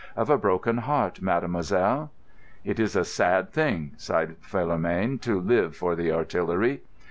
"Of a broken heart, Mademoiselle." "It is a sad thing," sighed Philomène, "to live for the Artillery."